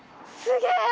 すげえ！